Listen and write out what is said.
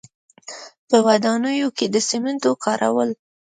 په ودانیو کې د سیمنټو کارول.